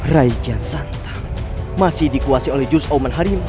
rai kian santang masih dikuasai oleh jurus oman harimau